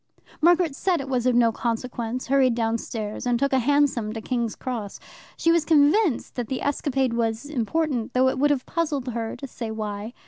Margaret said that it was of no consequence, hurried downstairs, and took a hansom to King's Cross. She was convinced that the escapade was important, though it would have puzzled her to say why.